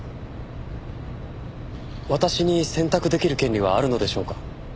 私に選択できる権利はあるのでしょうか？